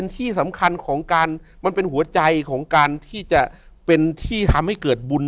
ที่สำคัญของการมันเป็นหัวใจของการที่จะเป็นที่ทำให้เกิดบุญ